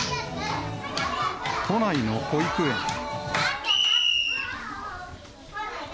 都内の保育園。